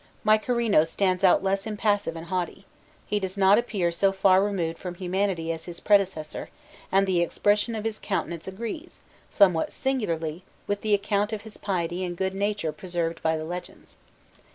Mykerinos stands out less impassive and haughty: he does not appear so far removed from humanity as his predecessor, and the expression of his countenance agrees, somewhat singularly, with the account of his piety and good nature preserved by the legends.